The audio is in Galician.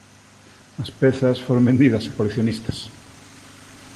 As pezas foron vendidas a coleccionistas.